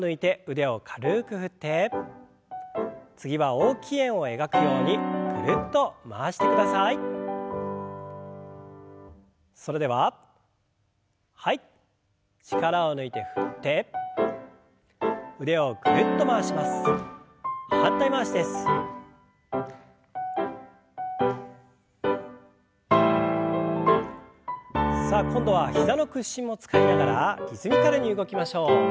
さあ今度は膝の屈伸も使いながらリズミカルに動きましょう。